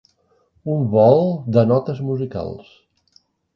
Un vol (de notes musicals)